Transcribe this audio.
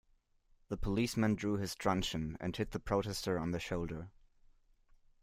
The policeman drew his truncheon, and hit the protester on the shoulder